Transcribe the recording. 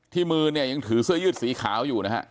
มือเนี่ยยังถือเสื้อยืดสีขาวอยู่นะฮะ